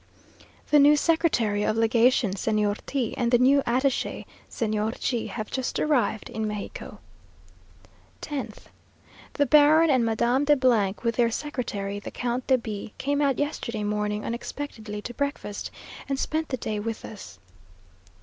The new Secretary of Legation, Señor T , and the new attache, Señor G , have just arrived in Mexico. 10th. The Baron and Madame de , with their secretary, the Count de B , came out yesterday morning unexpectedly to breakfast, and spent the day with us.